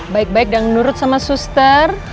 baik baik dan nurut sama suster